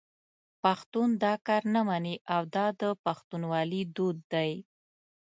پښتون دا کار نه مني او دا د پښتونولي دود دی.